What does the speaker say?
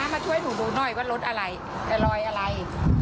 มาช่วยหนูดูหน่อยว่ารถอะไรแต่รอยอะไร